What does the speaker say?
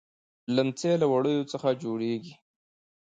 ليمڅی له وړيو څخه جوړيږي.